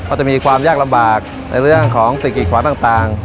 จะมีความยากลำบากในเรื่องของสิ่งกีดขวางต่าง